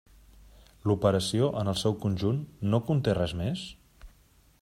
L'operació, en el seu conjunt, ¿no conté res més?